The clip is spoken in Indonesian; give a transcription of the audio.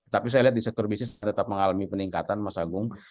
tapi saya lihat di sektor bisnis tetap mengalami peningkatan mas agung